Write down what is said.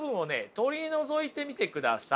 取り除いてみてください。